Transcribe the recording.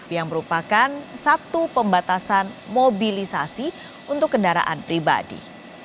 yang merupakan satu pembatasan mobilisasi untuk kendaraan pribadi